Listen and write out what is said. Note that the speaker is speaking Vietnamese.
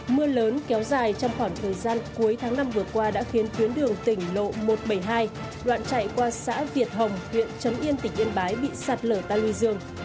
mưa lớn kéo dài trong khoảng thời gian cuối tháng năm vừa qua đã khiến tuyến đường tỉnh lộ một trăm bảy mươi hai đoạn chạy qua xã việt hồng huyện trấn yên tỉnh yên bái bị sạt lở ta luy dương